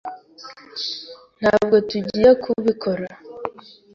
Ntabwo tugiye kubikora.